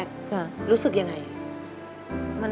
ขอเพียงคุณสามารถที่จะเอ่ยเอื้อนนะครับ